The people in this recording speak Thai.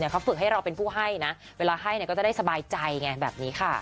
เขาฝึกให้เราเป็นผู้ให้นะเวลาให้ก็จะได้สบายใจไงแบบนี้ค่ะ